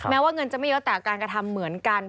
ว่าเงินจะไม่เยอะแต่การกระทำเหมือนกัน